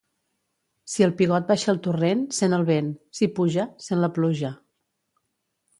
Si el pigot baixa al torrent, sent el vent; si puja, sent la pluja.